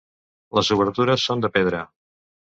Les obertures són de pedra.